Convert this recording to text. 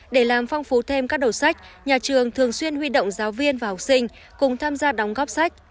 để làm phong phú thêm các đầu sách nhà trường thường xuyên huy động giáo viên và học sinh cùng tham gia đóng góp sách